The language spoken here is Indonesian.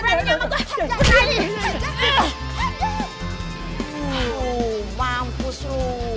aduh mampus lu